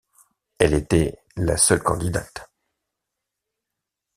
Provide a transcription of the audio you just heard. Elle était la seule candidate.